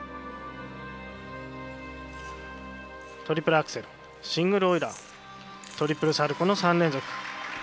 トリプルアクセルシングルオイラートリプルサルコーの３連続。